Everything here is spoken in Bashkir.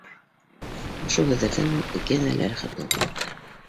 Ошо һүҙҙәрҙән һуң икеһенә лә рәхәт булып китте